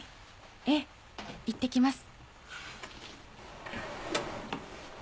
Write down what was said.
ええいってきます。